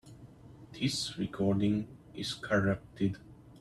This recording is corrupted.